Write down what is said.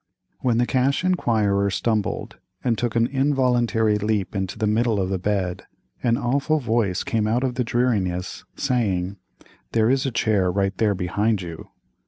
When the Cash Inquirer stumbled, and took an involuntary leap into the middle of the bed, an awful voice came out of the dreariness, saying, "There is a chair right there behind you."